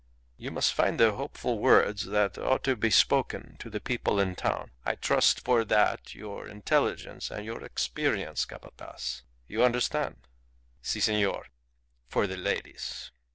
"You must find the hopeful words that ought to be spoken to the people in town. I trust for that your intelligence and your experience, Capataz. You understand?" "Si, senor. ... For the ladies."